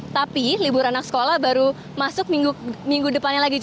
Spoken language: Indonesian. tapi libur anak sekolah baru masuk minggu depannya lagi